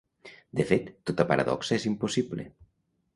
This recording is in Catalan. De fet, tota paradoxa és impossible.